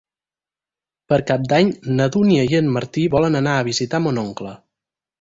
Per Cap d'Any na Dúnia i en Martí volen anar a visitar mon oncle.